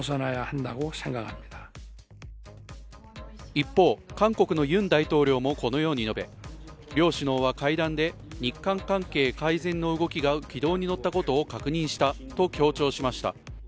一方、韓国のユン大統領もこのように述べ、両首脳は会談で日韓関係改善の動きが軌道に乗ったことを確認したと強調しました。